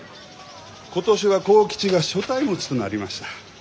今年は幸吉が所帯持ちとなりました。